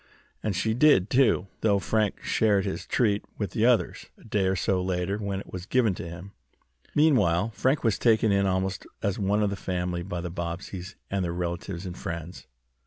And she did, too, though Frank shared his treat with the others, a day or so later, when it was given to him. Meanwhile Frank was taken in almost as one of the family by the Bobbseys and their relatives and friends.